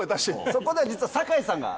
そこで実は酒井さんが。